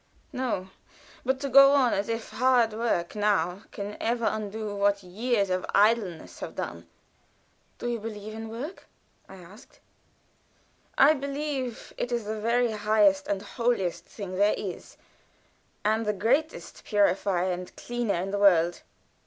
"No; but to go on as if hard work now can ever undo what years of idleness have done." "Do you believe in work?" I asked. "I believe it is the very highest and holiest thing there is, and the grandest purifier and cleanser in the world.